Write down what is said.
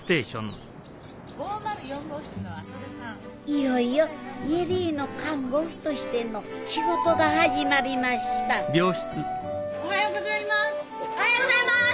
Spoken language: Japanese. いよいよ恵里の看護婦としての仕事が始まりましたおはようございます。